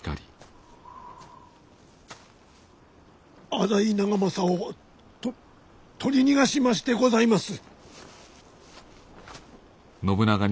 浅井長政をと取り逃がしましてございます。